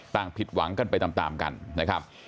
ผิดหวังกันไปตามกันนะครับ